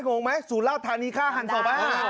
งงไหมสุราธานีฆ่าหันศพบ้า